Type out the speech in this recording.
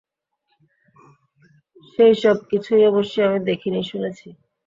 সেইসব কিছুই অবশ্যি আমি দেখি নি, শুনেছি।